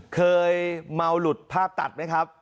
เคยเมาหลุดภาพตัดไหมครับ